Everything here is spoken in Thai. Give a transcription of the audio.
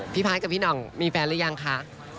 พี่พ้ายกับพี่หน่องมีแฟนรึยังคะ